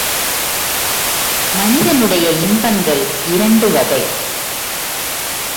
மனிதனுடைய இன்பங்கள் இரண்டு வகை.